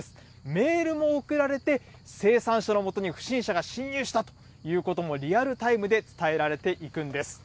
メールも送られて、生産者のもとに不審者が侵入したということもリアルタイムで伝えられていくんです。